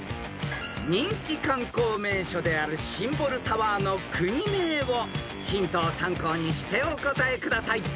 ［人気観光名所であるシンボルタワーの国名をヒントを参考にしてお答えください］